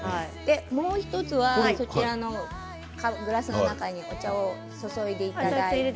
もう１つはグラスの中にお茶を注いでいただいて。